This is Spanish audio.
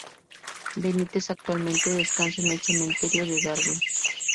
Benítez actualmente descansa en el cementerio de Darwin.